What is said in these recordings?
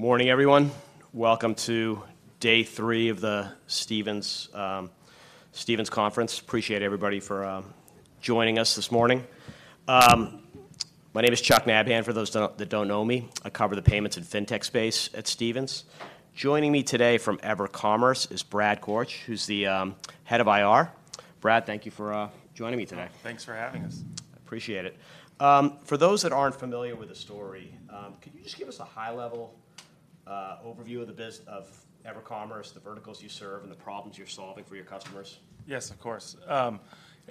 Morning, everyone. Welcome to day three of the Stephens Conference. Appreciate everybody for joining us this morning. My name is Chuck Nabhan, for those who don't know me. I cover the Payments & Fintech space at Stephens. Joining me today from EverCommerce is Brad Korch, who's the head of IR. Brad, thank you for joining me today. Thanks for having us. Appreciate it. For those that aren't familiar with the story, could you just give us a high-level overview of EverCommerce, the verticals you serve, and the problems you're solving for your customers? Yes, of course.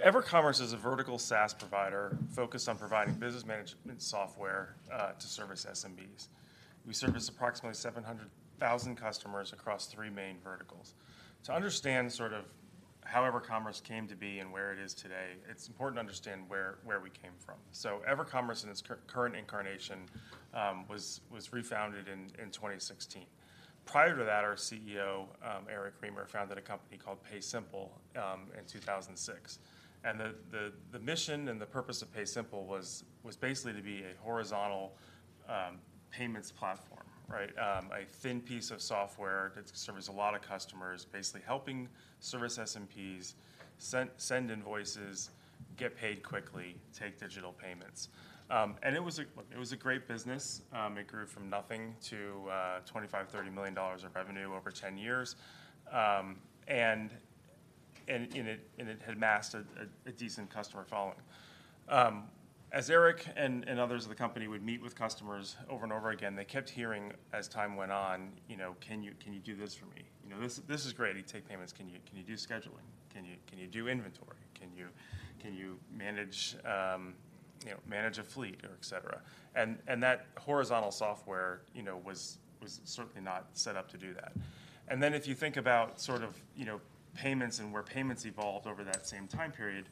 EverCommerce is a vertical SaaS provider focused on providing business management software to service SMBs. We service approximately 700,000 customers across three main verticals. To understand sort of how EverCommerce came to be and where it is today, it's important to understand where we came from. So EverCommerce, in its current incarnation, was refounded in 2016. Prior to that, our CEO, Eric Remer, founded a company called PaySimple in 2006. And the mission and the purpose of PaySimple was basically to be a horizontal payments platform, right? A thin piece of software that service a lot of customers, basically helping service SMBs, send invoices, get paid quickly, take digital payments. And it was a great business. It grew from nothing to $25 to $30 million of revenue over 10 years. And it had amassed a decent customer following. As Eric and others of the company would meet with customers over and over again, they kept hearing, as time went on, you know, "Can you do this for me?" You know, "This is great, you take payments. Can you do scheduling? Can you do inventory? Can you manage, you know, manage a fleet?" Or et cetera. And that horizontal software, you know, was certainly not set up to do that. And then, if you think about sort of, you know, payments and where payments evolved over that same time period,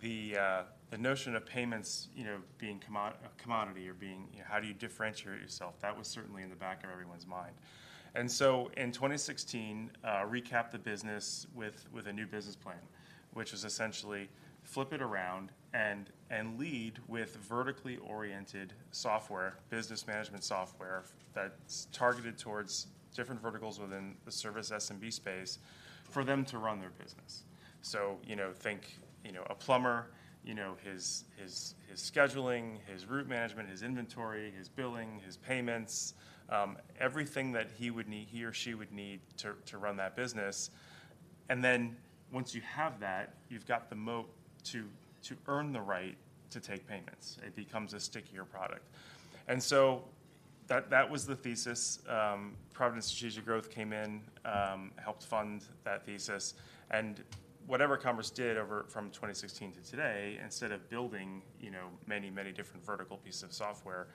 the notion of payments, you know, being a commodity or being how do you differentiate yourself? That was certainly in the back of everyone's mind. And so in 2016, recapped the business with a new business plan, which was essentially flip it around and lead with vertically oriented software, business management software, that's targeted towards different verticals within the service SMB space, for them to run their business. So, you know, think, you know, a plumber, you know, his scheduling, his route management, his inventory, his billing, his payments, everything that he would need or she would need to run that business. And then, once you have that, you've got the moat to earn the right to take payments. It becomes a stickier product. And so that was the thesis. Providence Strategic Growth came in, helped fund that thesis. What EverCommerce did over from 2016 to today, instead of building, you know, many different vertical pieces of software,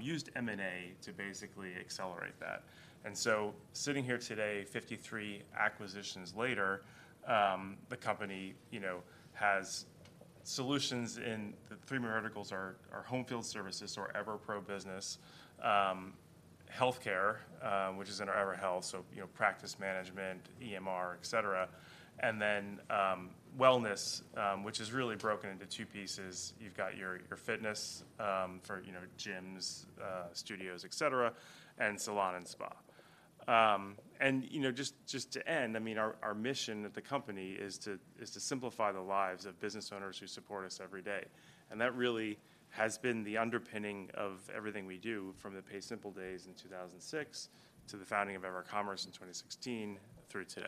used M&A to basically accelerate that. So sitting here today, 53 acquisitions later, the company, you know, has solutions in the three verticals are home field services or EverPro business, healthcare, which is in our EverHealth, so, you know, practice management, EMR, et cetera. And then, wellness, which is really broken into two pieces. You've got your fitness, for, you know, gyms, studios, et cetera, and salon and spa. You know, just to end, I mean, our mission at the company is to simplify the lives of business owners who support us every day, and that really has been the underpinning of everything we do, from the PaySimple days in 2006 to the founding of EverCommerce in 2016 through today.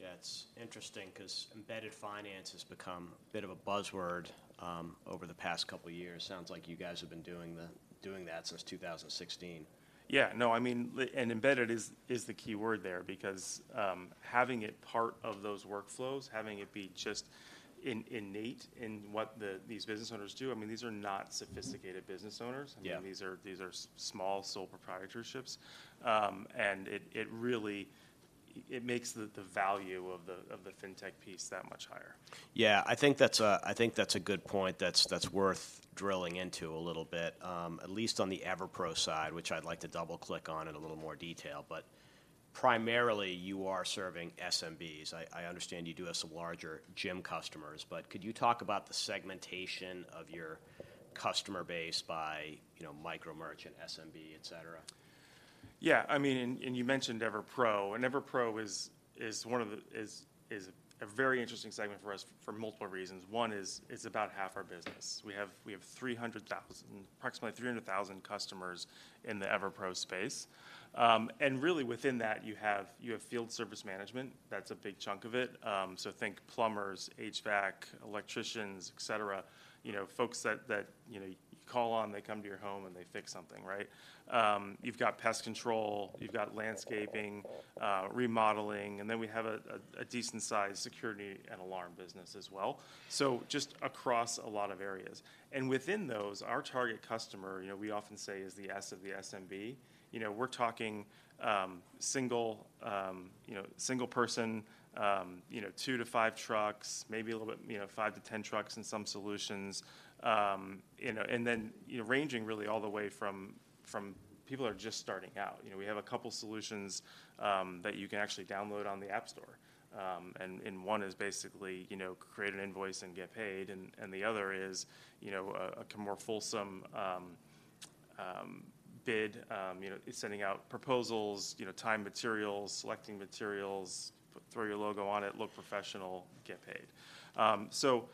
Yeah, it's interesting because Embedded Finance has become a bit of a buzzword over the past couple years. Sounds like you guys have been doing that since 2016. Yeah, no, I mean, and embedded is, is the key word there because, having it part of those workflows, having it be just innate in what these business owners do, I mean, these are not sophisticated business owners- Yeah... I mean, these are, these are small sole proprietorships. And it, it really, it makes the, the value of the, of the fintech piece that much higher. Yeah, I think that's a good point that's worth drilling into a little bit, at least on the EverPro side, which I'd like to double-click on in a little more detail. But primarily, you are serving SMBs. I understand you do have some larger gym customers, but could you talk about the segmentation of your customer base by, you know, micro merchant, SMB, et cetera? Yeah, I mean, you mentioned EverPro, and EverPro is one of the very interesting segments for us for multiple reasons. One is, it's about half our business. We have approximately 300,000 customers in the EverPro space. And really, within that, you have field service management. That's a big chunk of it. So think plumbers, HVAC, electricians, et cetera. You know, folks that you know you call on, they come to your home, and they fix something, right? You've got pest control, you've got landscaping, remodeling, and then we have a decent-sized security and alarm business as well. So just across a lot of areas. And within those, our target customer, you know, we often say, is the S of the SMB. You know, we're talking, single, you know, single person, you know, two to five trucks, maybe a little bit, you know, five to 10 trucks in some solutions. You know, and then, you know, ranging really all the way from, from people that are just starting out. You know, we have a couple solutions, that you can actually download on the App Store, and, and one is basically, you know, create an invoice and get paid, and, and the other is, you know, a, a more fulsome, bid, you know, sending out proposals, you know, time materials, selecting materials, throw your logo on it, look professional, get paid. So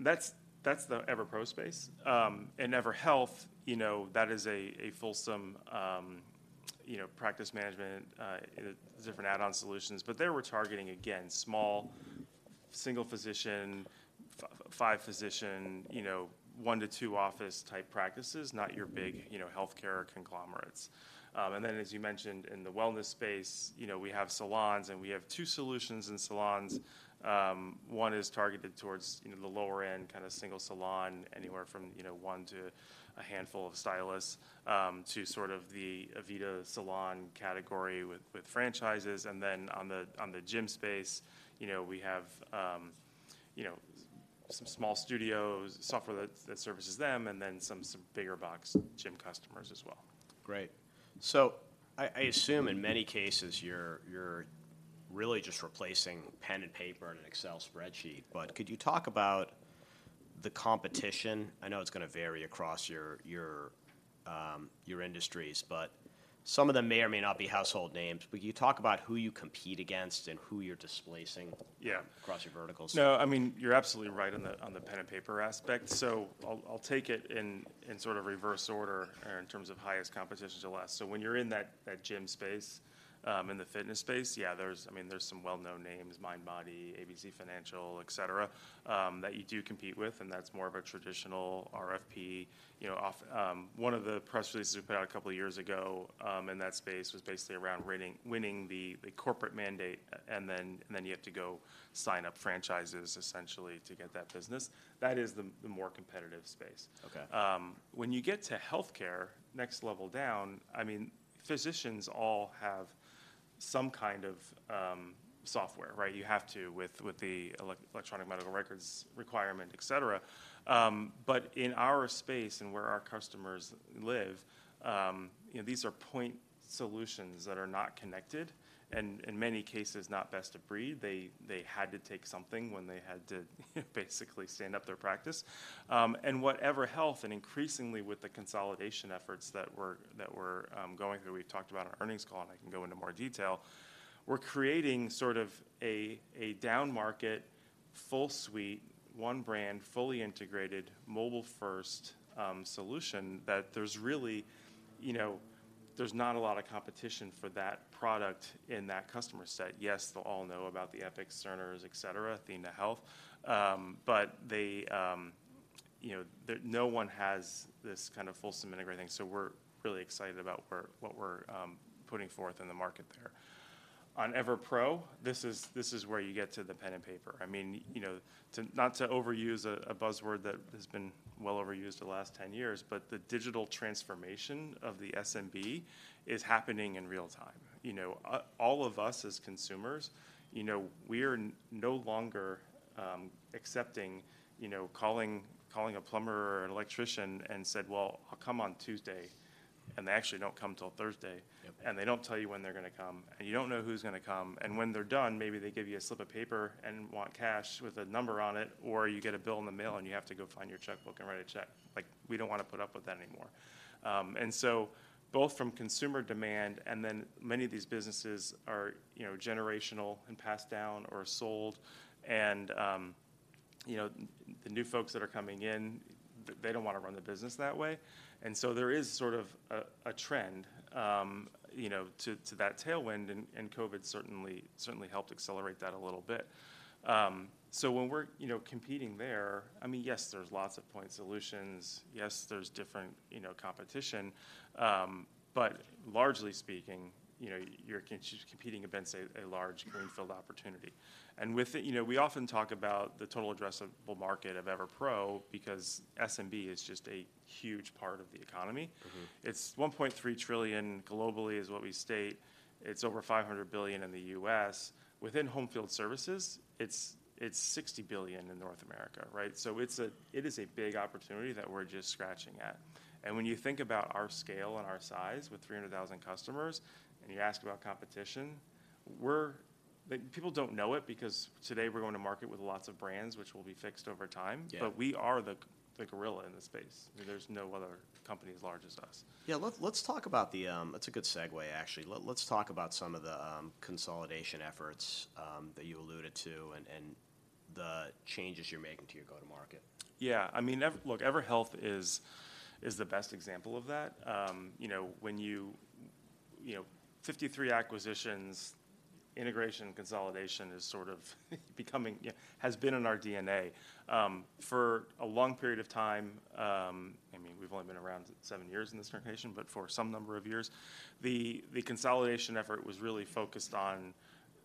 that's, that's the EverPro space. In EverHealth, you know, that is a, a fulsome, you know, practice management, and different add-on solutions. But there, we're targeting, again, small, single physician, five physician, you know, one to two office type practices, not your big, you know, healthcare conglomerates. And then as you mentioned, in the wellness space, you know, we have salons, and we have two solutions in salons. One is targeted towards, you know, the lower end, kind of single salon, anywhere from, you know, one to a handful of stylists, to sort of the Aveda salon category with franchises. And then on the gym space, you know, we have, you know, some small studios, software that services them, and then some bigger box gym customers as well. Great. So I assume in many cases, you're really just replacing pen and paper and an Excel spreadsheet. Yeah. But could you talk about the competition? I know it's gonna vary across your industries, but some of them may or may not be household names. But can you talk about who you compete against and who you're displacing- Yeah... across your verticals? No, I mean, you're absolutely right on the pen and paper aspect. So I'll take it in sort of reverse order in terms of highest competition to less. So when you're in that gym space in the fitness space, yeah, there's I mean, there's some well-known names, Mindbody, ABC Financial, et cetera, that you do compete with, and that's more of a traditional RFP. You know, one of the press releases we put out a couple of years ago in that space was basically around winning the corporate mandate, and then you have to go sign up franchises essentially to get that business. That is the more competitive space. Okay. When you get to healthcare, next level down, I mean, physicians all have some kind of software, right? You have to with the electronic medical records requirement, et cetera. But in our space and where our customers live, you know, these are point solutions that are not connected and, in many cases, not best of breed. They had to take something when they had to basically stand up their practice. And what EverHealth, and increasingly with the consolidation efforts that we're going through, we talked about our earnings call, and I can go into more detail. We're creating sort of a down-market, full suite, one brand, fully integrated, mobile-first solution that there's not a lot of competition for that product in that customer set. Yes, they'll all know about the Epic, Cerner, et cetera, Athenahealth, but they, you know, no one has this kind of fulsome integrated thing. So we're really excited about what we're putting forth in the market there. On EverPro, this is where you get to the pen and paper. I mean, you know, not to overuse a buzzword that has been well overused the last 10 years, but the digital transformation of the SMB is happening in real time. You know, all of us as consumers, you know, we are no longer accepting, you know, calling a plumber or an electrician and said: "Well, come on Tuesday," and they actually don't come till Thursday. Yep. They don't tell you when they're gonna come, and you don't know who's gonna come. When they're done, maybe they give you a slip of paper and want cash with a number on it, or you get a bill in the mail, and you have to go find your checkbook and write a check. Like, we don't wanna put up with that anymore. So both from consumer demand, and then many of these businesses are, you know, generational and passed down or sold, and you know, the new folks that are coming in, they don't want to run the business that way. So there is sort of a trend, you know, to that tailwind, and COVID certainly helped accelerate that a little bit. So when we're, you know, competing there, I mean, yes, there's lots of point solutions. Yes, there's different, you know, competition, but largely speaking, you know, you're just competing against a, a large greenfield opportunity. With it, you know, we often talk about the total addressable market of EverPro because SMB is just a huge part of the economy. It's $1.3 trillion globally, is what we state. It's over $500 billion in the US. Within home field services, it's 60 billion in North America, right? So it is a big opportunity that we're just scratching at. And when you think about our scale and our size with 300,000 customers, and you ask about competition, we're the people don't know it because today we're going to market with lots of brands, which will be fixed over time. Yeah. But we are the gorilla in the space. I mean, there's no other company as large as us. Yeah. Let's talk about some of the consolidation efforts that you alluded to and the changes you're making to your go-to-market. Yeah, I mean, look, EverHealth is the best example of that. You know, 53 acquisitions, integration and consolidation is sort of becoming has been in our DNA for a long period of time. I mean, we've only been around seven years in this incarnation, but for some number of years, the consolidation effort was really focused on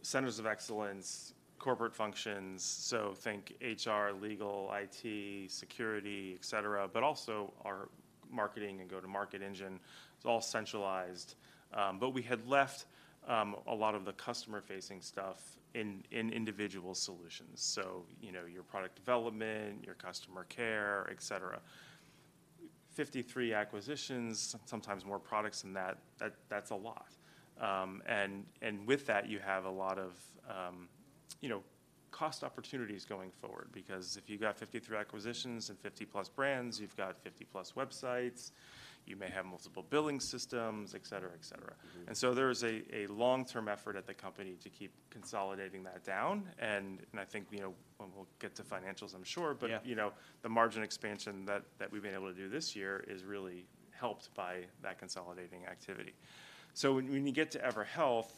centers of excellence, corporate functions, so think HR, legal, IT, security, et cetera, but also our marketing and go-to-market engine. It's all centralized, but we had left a lot of the customer-facing stuff in individual solutions, so, you know, your product development, your customer care, et cetera. 53 acquisitions, sometimes more products than that, that's a lot. And with that, you have a lot of, you know, cost opportunities going forward, because if you've got 53 acquisitions and 50-plus brands, you've got 50-plus websites, you may have multiple billing systems, et cetera, et cetera. And so there's a long-term effort at the company to keep consolidating that down, and I think, you know, and we'll get to financials, I'm sure. Yeah The margin expansion that we've been able to do this year is really helped by that consolidating activity. So when you get to EverHealth,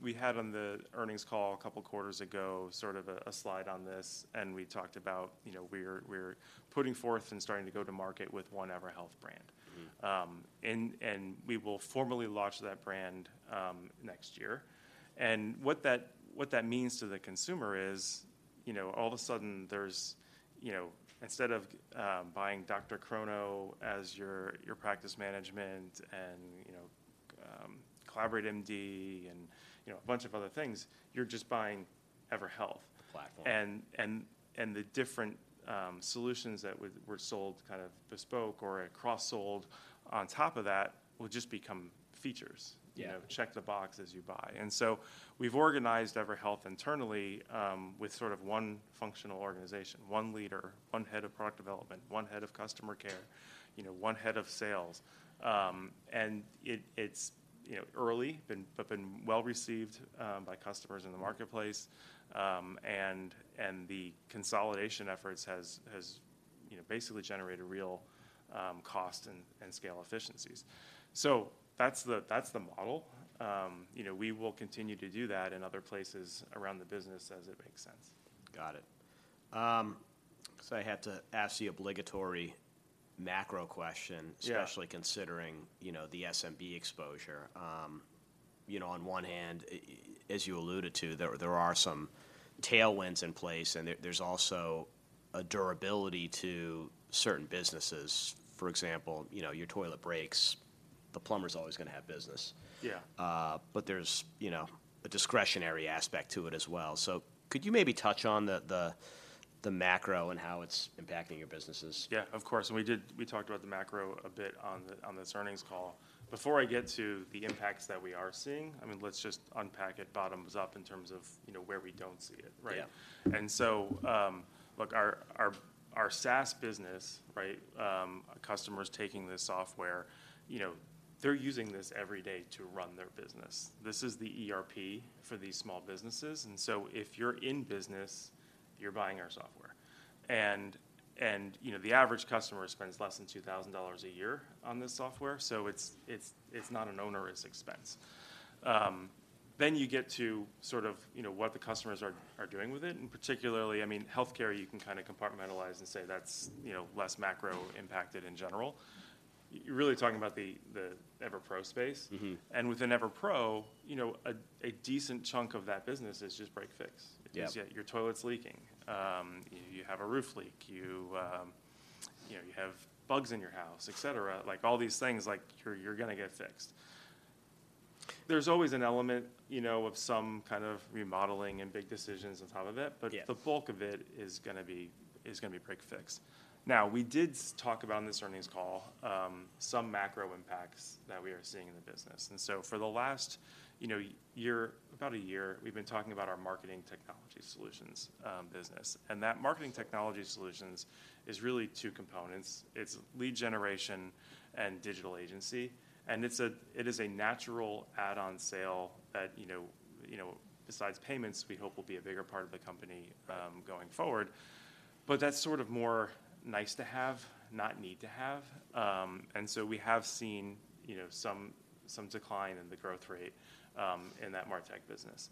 we had on the earnings call a couple quarters ago, sort of a slide on this, and we talked about, you know, we're putting forth and starting to go to market with one EverHealth brand. We will formally launch that brand next year. What that means to the consumer is, you know, all of a sudden there's, you know, instead of buying DrChrono as your practice management and, you know, CollaborateMD and, you know, a bunch of other things, you're just buying EverHealth. The platform. The different solutions that were sold kind of bespoke or are cross-sold on top of that will just become features. Yeah. You know, check the box as you buy. And so we've organized EverHealth internally, with sort of one functional organization, one leader, one head of product development, one head of customer care, you know, one head of sales. And it, it's, you know, early, but been well-received by customers in the marketplace. And the consolidation efforts has, you know, basically generated real cost and scale efficiencies. So that's the model. You know, we will continue to do that in other places around the business as it makes sense. Got it. So I have to ask the obligatory macro question- Yeah... especially considering, you know, the SMB exposure. You know, on one hand, as you alluded to, there are some tailwinds in place, and there's also a durability to certain businesses. For example, you know, your toilet breaks, the plumber's always going to have business. Yeah. But there's, you know, a discretionary aspect to it as well. So could you maybe touch on the macro and how it's impacting your businesses? Yeah, of course, and we did, we talked about the macro a bit on this earnings call. Before I get to the impacts that we are seeing, I mean, let's just unpack it bottoms up in terms of, you know, where we don't see it, right? Yeah. Look, our SaaS business, right? Customers taking this software, you know, they're using this every day to run their business. This is the ERP for these small businesses, and so if you're in business, you're buying our software. And, you know, the average customer spends less than $2,000 a year on this software, so it's not an onerous expense. Then you get to sort of, you know, what the customers are doing with it, and particularly, I mean, healthcare, you can kind of compartmentalize and say that's, you know, less macro-impacted in general. You're really talking about the EverPro space. Within EverPro, you know, a decent chunk of that business is just break-fix. Yeah. It's, yeah, your toilet's leaking. You have a roof leak, you know, you have bugs in your house, et cetera. Like, all these things, like, you're going to get fixed. There's always an element, you know, of some kind of remodeling and big decisions on top of it. Yeah The bulk of it is going to be break-fix. Now, we did talk about on this earnings call some macro impacts that we are seeing in the business. And so for the last, you know, year, about a year, we've been talking about our marketing technology solutions business. And that marketing technology solutions is really two components: It's lead generation and digital agency, and it is a natural add-on sale that, you know, you know, besides payments, we hope will be a bigger part of the company going forward. But that's sort of more nice to have, not need to have. And so we have seen, you know, some decline in the growth rate in that MarTech business,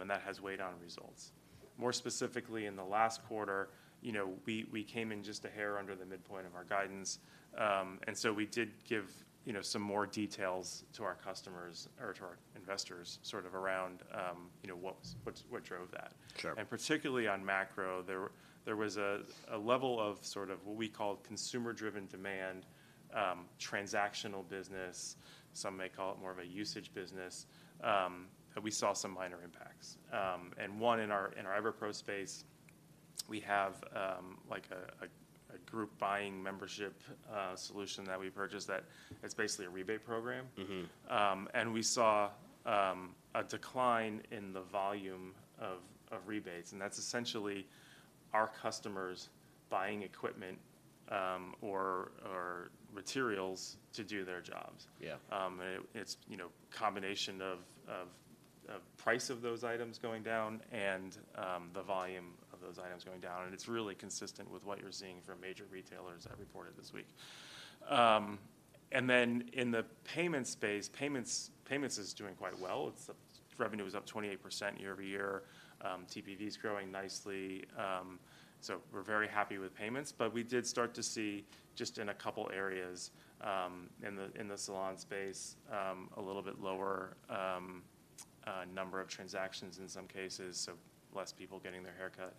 and that has weighed on results. More specifically, in the last quarter, you know, we came in just a hair under the midpoint of our guidance, and so we did give, you know, some more details to our customers or to our investors, sort of around, you know, what drove that. Sure. Particularly on macro, there was a level of sort of what we call consumer-driven demand, transactional business, some may call it more of a usage business, and we saw some minor impacts. One in our EverPro space, we have like a group buying membership solution that we've purchased, that it's basically a rebate program. We saw a decline in the volume of rebates, and that's essentially our customers buying equipment or materials to do their jobs. Yeah. And it's, you know, a combination of the price of those items going down and the volume of those items going down, and it's really consistent with what you're seeing from major retailers that reported this week. And then in the payment space, payments, payments is doing quite well. Its revenue is up 28% year-over-year. TPV is growing nicely. So we're very happy with payments, but we did start to see, just in a couple areas, in the salon space, a little bit lower number of transactions in some cases, so less people getting their hair cut.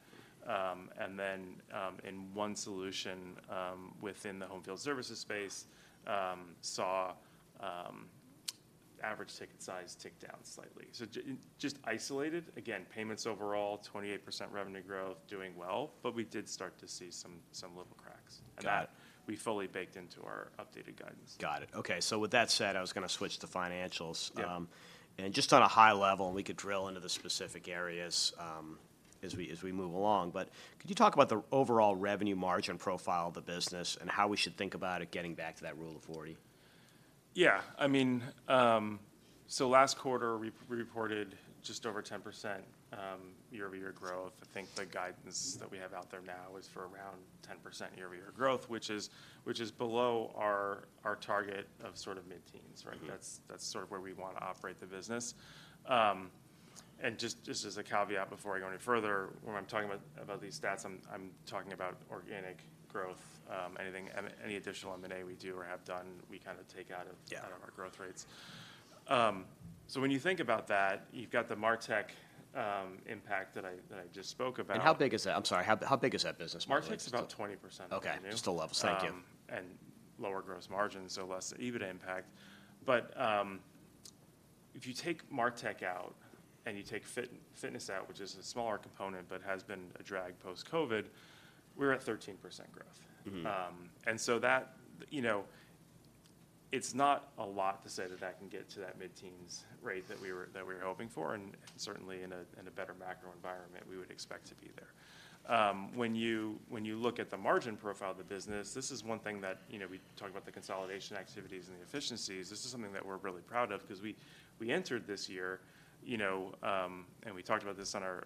And then, in one solution within the home field services space, saw average ticket size ticked down slightly. So just isolated, again, payments overall, 28% revenue growth, doing well, but we did start to see some little cracks. Got it. That, we fully baked into our updated guidance. Got it. Okay, so with that said, I was gonna switch to financials. Yep. And just on a high level, and we could drill into the specific areas, as we move along, but could you talk about the overall revenue margin profile of the business, and how we should think about it getting back to that Rule of 40? Yeah, I mean, so last quarter, we reported just over 10% year-over-year growth. I think the guidance-that we have out there now is for around 10% year-over-year growth, which is below our target of sort of mid-teens, right? That's, that's sort of where we want to operate the business. Just as a caveat before I go any further, when I'm talking about these stats, I'm talking about organic growth. Any additional M&A we do or have done, we kind of take out of- Yeah... out of our growth rates. So when you think about that, you've got the MarTech impact that I just spoke about. How big is that? I'm sorry, how big is that business? MarTech's about 20% of revenue. Okay, just the levels. Thank you. Lower gross margin, so less EBITDA impact. But if you take MarTech out, and you take fitness out, which is a smaller component, but has been a drag post-COVID, we're at 13% growth. And so that, you know, it's not a lot to say that I can get to that mid-teens rate that we were hoping for, and certainly in a better macro environment, we would expect to be there. When you look at the margin profile of the business, this is one thing that, you know, we talk about the consolidation activities and the efficiencies, this is something that we're really proud of because we entered this year, you know, and we talked about this on our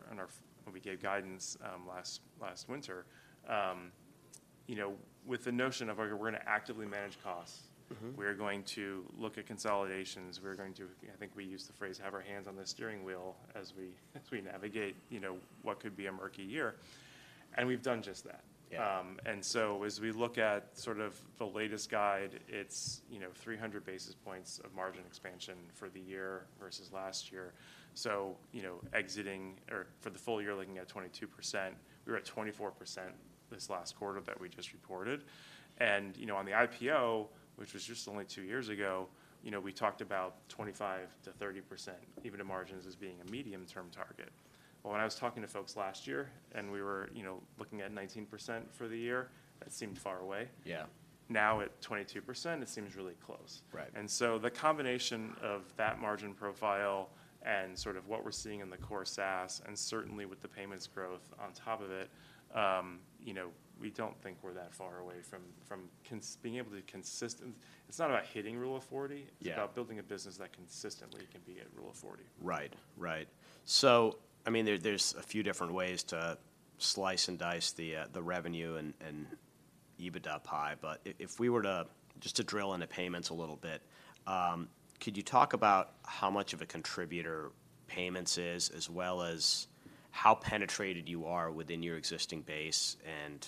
when we gave guidance last winter, you know, with the notion of, okay, we're gonna actively manage costs. We're going to look at consolidations. We're going to, I think we used the phrase, "have our hands on the steering wheel," as we navigate, you know, what could be a murky year, and we've done just that. Yeah. And so as we look at sort of the latest guide, it's, you know, 300 basis points of margin expansion for the year versus last year. So, you know, exiting or for the full year, looking at 22%, we were at 24% this last quarter that we just reported. And, you know, on the IPO, which was just only two years ago, you know, we talked about 25% to 30%, even to margins as being a medium-term target. But when I was talking to folks last year, and we were, you know, looking at 19% for the year, that seemed far away. Yeah. Now, at 22%, it seems really close. Right. And so the combination of that margin profile and sort of what we're seeing in the core SaaS, and certainly with the payments growth on top of it, you know, we don't think we're that far away from consistently being able to, it's not about hitting Rule of 40. Yeah It's about building a business that consistently can be at Rule of 40. Right. So, I mean, there, there's a few different ways to slice and dice the revenue and EBITDA pie, but if we were to, just to drill into payments a little bit, could you talk about how much of a contributor payments is, as well as how penetrated you are within your existing base, and,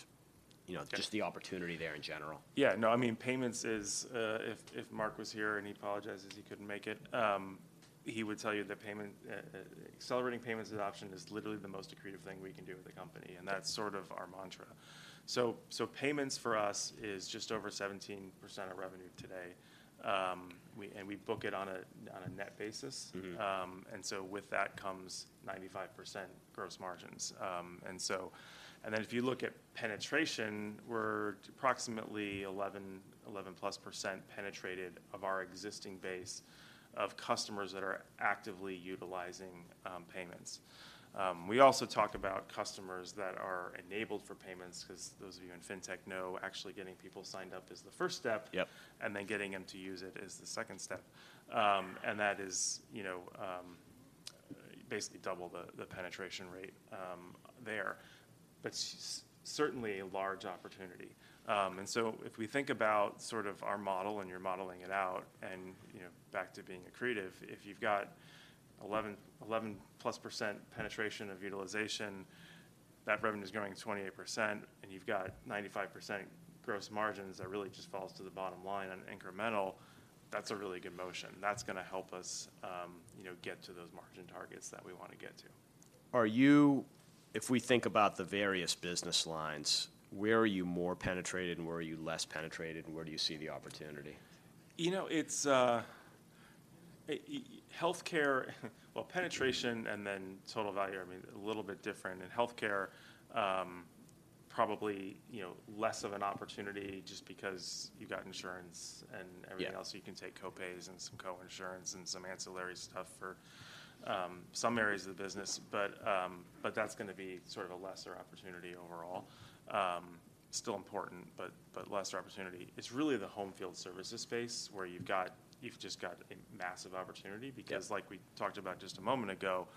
you know, just the opportunity there in general? Yeah, no, I mean, payments is, if Mark was here, and he apologizes he couldn't make it, he would tell you that payment, accelerating payments adoption is literally the most accretive thing we can do with the company, and that's- sort of our mantra. So, payments for us is just over 17% of revenue today. And we book it on a net basis. and so with that comes 95% gross margins. And then if you look at penetration, we're approximately 11%+ penetrated of our existing base of customers that are actively utilizing payments. We also talk about customers that are enabled for payments, because those of you in fintech know, actually getting people signed up is the first step. Yep Then getting them to use it is the second step. And that is, you know, basically double the penetration rate there. But certainly a large opportunity. And so if we think about sort of our model, and you're modeling it out, and, you know, back to being accretive, if you've got 11%+ penetration of utilization, that revenue is growing at 28%, and you've got 95% gross margins, that really just falls to the bottom line on incremental, that's a really good motion. That's gonna help us, you know, get to those margin targets that we want to get to. If we think about the various business lines, where are you more penetrated, and where are you less penetrated, and where do you see the opportunity? You know, it's healthcare, well, penetration and then total value, I mean, a little bit different. In healthcare, probably, you know, less of an opportunity just because you've got insurance and everything else- Yeah... so you can take co-pays and some co-insurance and some ancillary stuff for, some areas of the business. But, but that's gonna be sort of a lesser opportunity overall. Still important, but, but lesser opportunity. It's really the home field services space, where you've just got a massive opportunity. Yep Like we talked about just a moment ago,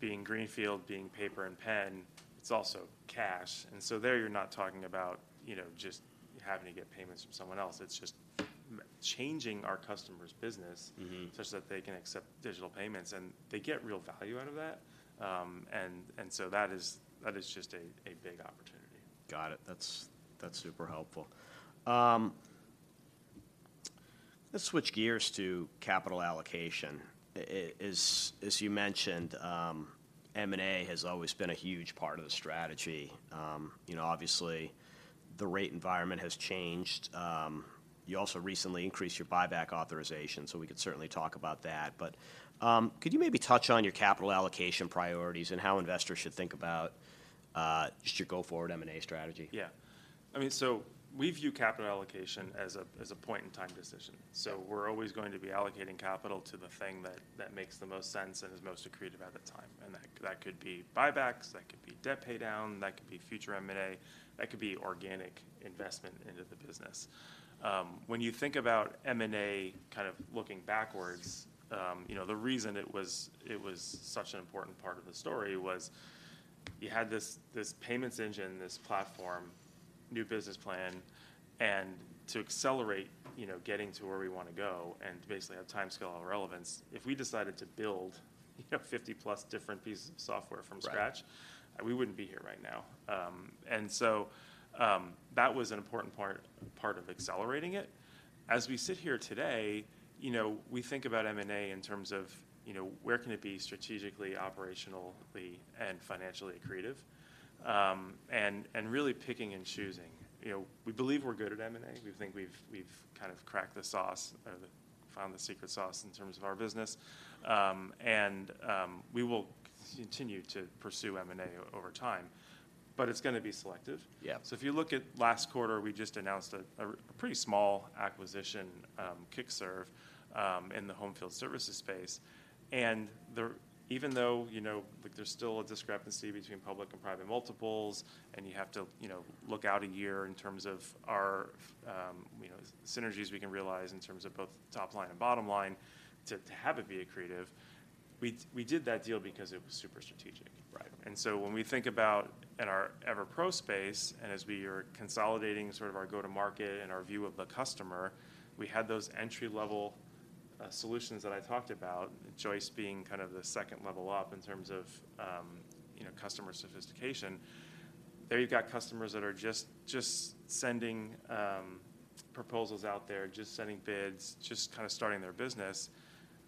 being greenfield, being paper and pen, it's also cash. And so there, you're not talking about, you know, just having to get payments from someone else. It's just changing our customer's business such that they can accept digital payments, and they get real value out of that. So that is just a big opportunity. Got it. That's, that's super helpful. Let's switch gears to capital allocation. As you mentioned, M&A has always been a huge part of the strategy. You know, obviously, the rate environment has changed. You also recently increased your buyback authorization, so we could certainly talk about that. But, could you maybe touch on your capital allocation priorities, and how investors should think about just your go-forward M&A strategy? Yeah. I mean, so we view capital allocation as a point-in-time decision. So we're always going to be allocating capital to the thing that makes the most sense and is most accretive at the time, and that could be buybacks, that could be debt paydown, that could be future M&A, that could be organic investment into the business. When you think about M&A, kind of looking backwards, you know, the reason it was such an important part of the story was you had this payments engine, this platform, new business plan, and to accelerate, you know, getting to where we want to go and basically have timescale relevance, if we decided to build, you know, 50+ different pieces of software from scratch. Right We wouldn't be here right now. And so, that was an important part of accelerating it. As we sit here today, you know, we think about M&A in terms of, you know, where can it be strategically, operationally, and financially accretive? And really picking and choosing. You know, we believe we're good at M&A. We think we've kind of cracked the sauce or found the secret sauce in terms of our business. And we will continue to pursue M&A over time, but it's gonna be selective. Yeah. So if you look at last quarter, we just announced a pretty small acquisition, Kickserv, in the home field services space. And even though, you know, like, there's still a discrepancy between public and private multiples, and you have to, you know, look out a year in terms of our, you know, synergies we can realize in terms of both top line and bottom line, to have it be accretive, we did that deal because it was super strategic. Right. And so when we think about in our EverPro space, and as we are consolidating sort of our go-to-market and our view of the customer, we had those entry-level solutions that I talked about, Joist being kind of the second level up in terms of, you know, customer sophistication. There, you've got customers that are just sending proposals out there, just sending bids, just kind of starting their business.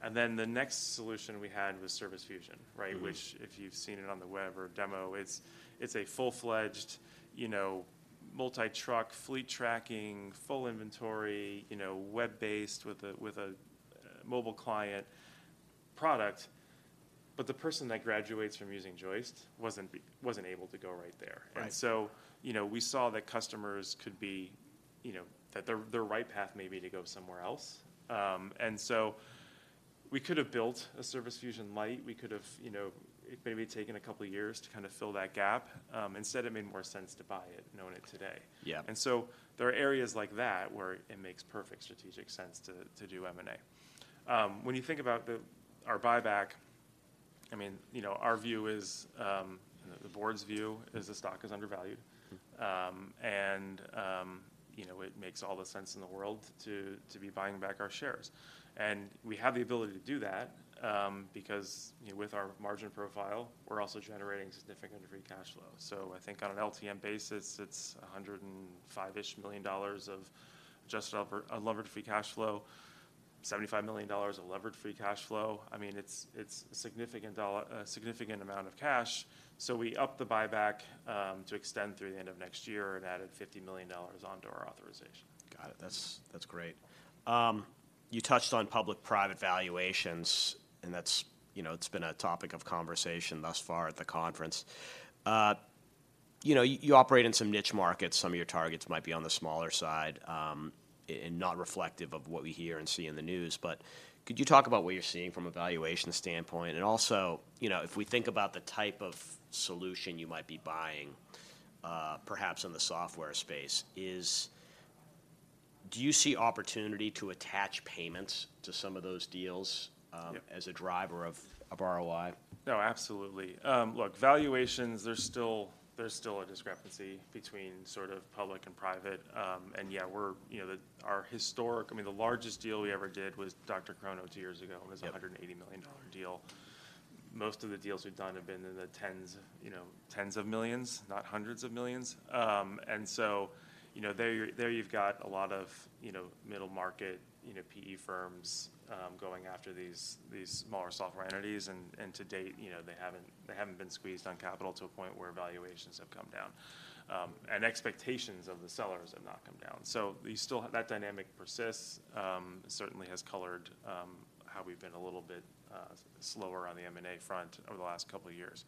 And then, the next solution we had was Service Fusion, right? Which, if you've seen it on the web or a demo, it's a full-fledged, you know, multi-truck, fleet tracking, full inventory, you know, web-based with a, with a mobile client product, but the person that graduates from using Joist wasn't able to go right there. Right. So, you know, we saw that customers could be, you know, that their, their right path may be to go somewhere else. We could have built a Service Fusion Lite. We could have, you know, it may have taken a couple of years to kind of fill that gap. Instead, it made more sense to buy it, own it today. Yeah. There are areas like that, where it makes perfect strategic sense to do M&A. When you think about our buyback, I mean, you know, the board's view is the stock is undervalued. You know, it makes all the sense in the world to be buying back our shares. We have the ability to do that because, you know, with our margin profile, we're also generating significant free cash flow. So I think on an LTM basis, it's $105-ish million of adjusted unlevered free cash flow, $75 million of levered free cash flow. I mean, it's a significant amount of cash. So we upped the buyback to extend through the end of next year and added $50 million onto our authorization. Got it. That's, that's great. You touched on public-private valuations, and that's, you know, it's been a topic of conversation thus far at the conference. You know, you, you operate in some niche markets. Some of your targets might be on the smaller side, and not reflective of what we hear and see in the news, but could you talk about what you're seeing from a valuation standpoint? And also, you know, if we think about the type of solution you might be buying, perhaps in the software space, do you see opportunity to attach payments to some of those deals? Yep... as a driver of ROI? No, absolutely. Look, valuations, there's still a discrepancy between sort of public and private. And yeah, our historic-I mean, the largest deal we ever did was DrChrono two years ago. Yep. It was a $180 million deal. Most of the deals we've done have been in the tens, you know, tens of millions, not hundreds of millions. And so, you know, there you've got a lot of, you know, middle-market, you know, PE firms, going after these smaller software entities. And to date, you know, they haven't been squeezed on capital to a point where valuations have come down, and expectations of the sellers have not come down. So we still have that dynamic persists, certainly has colored how we've been a little bit slower on the M&A front over the last couple of years.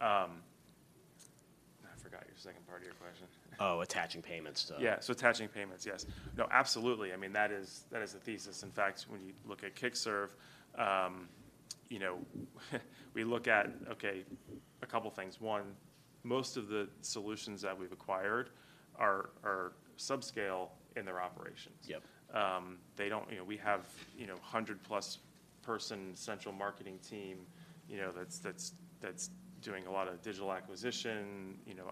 I forgot your second part of your question. Attaching payments to. Yeah, so attaching payments, yes. No, absolutely, I mean, that is, that is the thesis. In fact, when you look at Kickserv, you know, we look at, okay, a couple things. One, most of the solutions that we've acquired are, are subscale in their operations. Yep. They don't. You know, we have a 100+ person central marketing team, you know, that's doing a lot of digital acquisition, you know,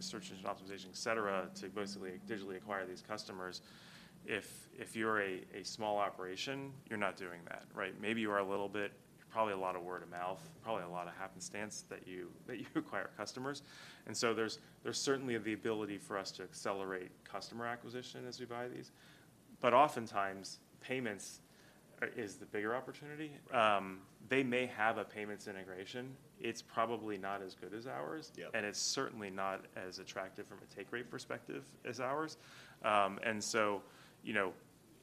search engine optimization, et cetera, to basically digitally acquire these customers. If you're a small operation, you're not doing that, right? Maybe you are a little bit, probably a lot of word-of-mouth, probably a lot of happenstance that you acquire customers. And so there's certainly the ability for us to accelerate customer acquisition as we buy these. But oftentimes, payments is the bigger opportunity. They may have a payments integration. It's probably not as good as ours- Yep. And it's certainly not as attractive from a take rate perspective as ours. And so, you know,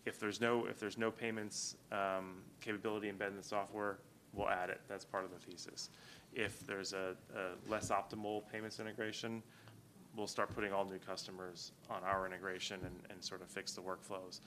if there's no payments capability embedded in the software, we'll add it. That's part of the thesis. If there's a less optimal payments integration, we'll start putting all new customers on our integration and sort of fix the workflows.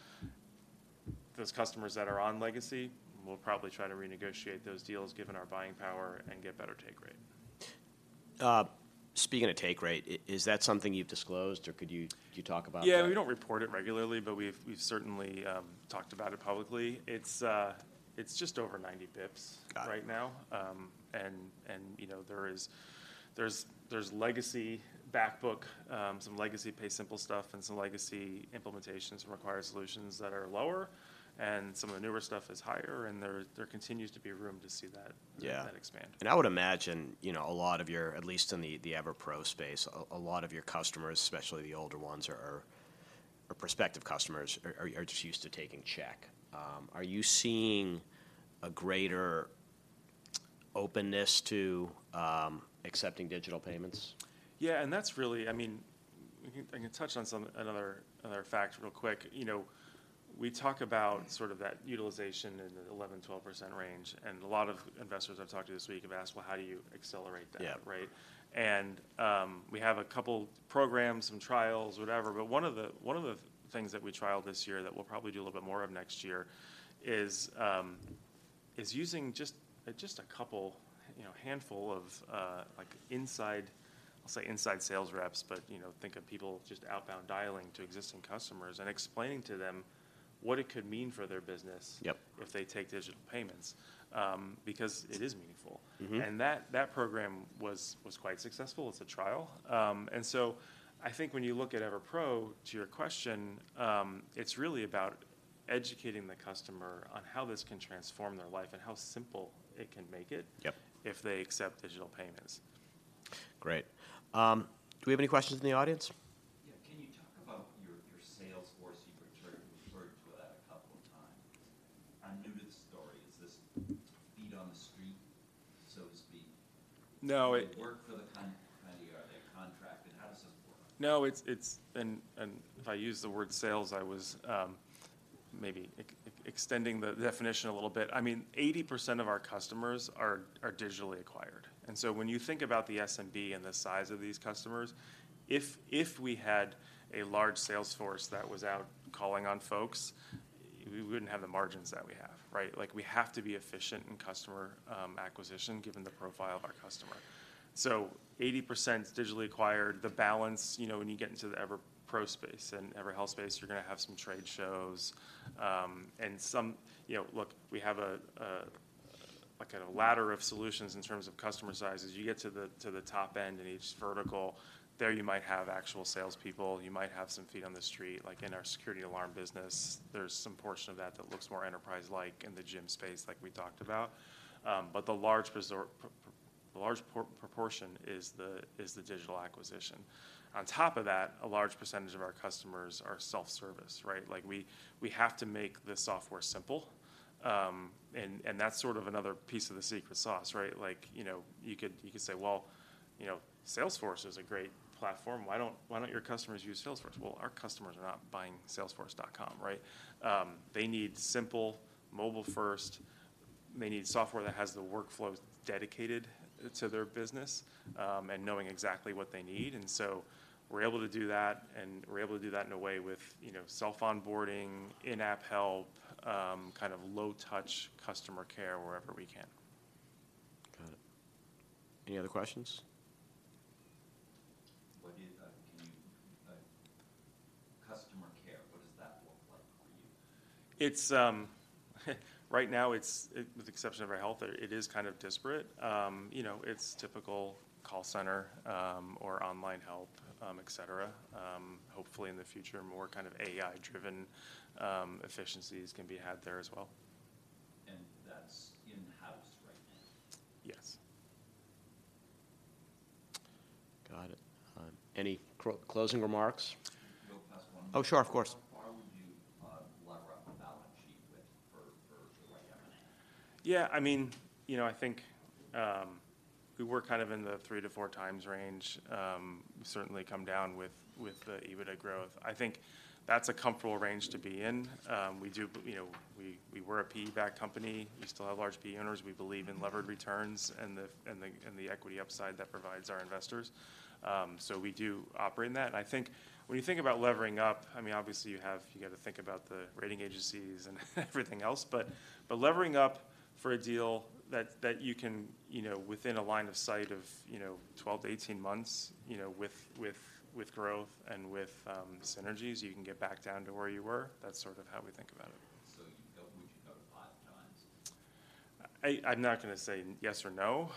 Those customers that are on legacy, we'll probably try to renegotiate those deals, given our buying power, and get better take rate. Speaking of take rate, is that something you've disclosed, or could you talk about that? Yeah, we don't report it regularly, but we've certainly talked about it publicly. It's just over 90 basis points- Got it... right now. You know, there's legacy back book, some legacy PaySimple stuff, and some legacy implementations require solutions that are lower, and some of the newer stuff is higher, and there continues to be room to see that- Yeah... that expand. I would imagine, you know, a lot of your, at least in the EverPro space, a lot of your customers, especially the older ones, are prospective customers, are just used to taking check. Are you seeing a greater openness to accepting digital payments? Yeah, I can touch on some other facts real quick. You know, we talk about sort of that utilization in the 11% to 12% range, and a lot of investors I've talked to this week have asked, "Well, how do you accelerate that? Yeah. Right? And we have a couple programs, some trials, whatever, but one of the things that we trialed this year that we'll probably do a little bit more of next year is using just a couple, you know, handful of like inside, I'll say inside sales reps, but you know, think of people just outbound dialing to existing customers and explaining to them what it could mean for their business. Yep If they take digital payments, because it is meaningful. And that program was quite successful as a trial. And so I think when you look at EverPro, to your question, it's really about educating the customer on how this can transform their life and how simple it can make it- Yep... if they accept digital payments. Great. Do we have any questions in the audience? Yeah, can you talk about your sales force? You referred to that a couple of times. I'm new to the story. Is this feet on the street, so to speak? No, it- Do you work for the kind of, are they contracted? How does it work? No, it's. And if I use the word sales, I was maybe extending the definition a little bit. I mean, 80% of our customers are digitally acquired, and so when you think about the SMB and the size of these customers, if we had a large sales force that was out calling on folks, we wouldn't have the margins that we have, right? Like, we have to be efficient in customer acquisition, given the profile of our customer. So 80% digitally acquired. The balance, you know, when you get into the EverPro space and EverHealth space, you're gonna have some trade shows, and some. You know, look, we have, like, a ladder of solutions in terms of customer sizes. You get to the top end in each vertical, there you might have actual salespeople. You might have some feet on the street, like in our security alarm business. There's some portion of that that looks more enterprise-like in the gym space, like we talked about. But the large proportion is the digital acquisition. On top of that, a large percentage of our customers are self-service, right? Like, we have to make the software simple, and that's sort of another piece of the secret sauce, right? Like, you know, you could say, "Well, you know, Salesforce is a great platform. Why don't your customers use Salesforce?" Well, our customers are not buying Salesforce.com, right? They need simple, mobile first. They need software that has the workflows dedicated to their business, and knowing exactly what they need. So we're able to do that, and we're able to do that in a way with, you know, self-onboarding, in-app help, kind of low-touch customer care wherever we can. Got it. Any other questions? Customer care, what does that look like for you? It's right now, it's with the exception of our health, it is kind of disparate. You know, it's typical call center, or online help, et cetera. Hopefully, in the future, more kind of AI-driven efficiencies can be had there as well. That's in-house right now? Yes. Got it. Any closing remarks? Can I ask one more? Oh, sure. Of course. [inaudible] How would you leverage up the balance sheet with for the right evidence? Yeah, I mean, you know, I think we were kind of in the 3 to 4x range, certainly come down with the EBITDA growth. I think that's a comfortable range to be in. We do, you know, we were a PE-backed company. We still have large PE owners. We believe in levered returns and the equity upside that provides our investors. So we do operate in that, and I think when you think about levering up, I mean, obviously, you gotta think about the rating agencies and everything else, but levering up for a deal that you can, you know, within a line of sight of, you know, 12-18 months, you know, with growth and with synergies, you can get back down to where you were, that's sort of how we think about it. [inaudible] So you felt we could go to 5x? I'm not gonna say yes or no,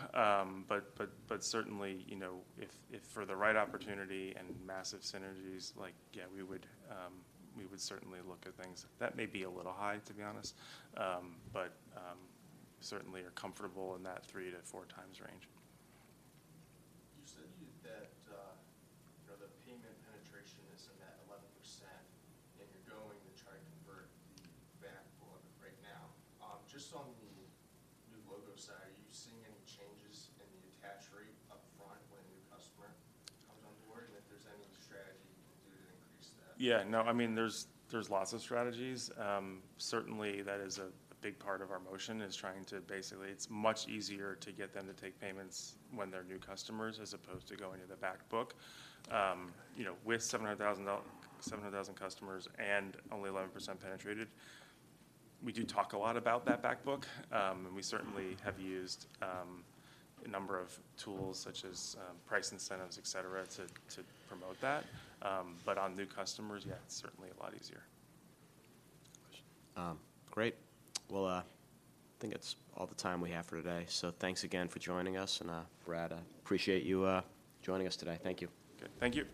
but certainly, you know, if for the right opportunity and massive synergies, like, yeah, we would certainly look at things. That may be a little high, to be honest, but certainly are comfortable in that 3 to 4x range. You said that, you know, the payment penetration is in that 11%, and you're going to try to convert the back book right now. Just on the new logo side, are you seeing any changes in the attach rate upfront when a new customer comes on board? And if there's any strategy you can do to increase that? Yeah, no, I mean, there's lots of strategies. Certainly, that is a big part of our motion, is trying to basically. It's much easier to get them to take payments when they're new customers, as opposed to going to the back book. You know, with 700,000 customers and only 11% penetrated, we do talk a lot about that back book. And we certainly have used a number of tools, such as price incentives, et cetera, to promote that. But on new customers, yeah, it's certainly a lot easier. Great. Well, I think that's all the time we have for today. So thanks again for joining us. And, Brad, I appreciate you joining us today. Thank you. Good. Thank you.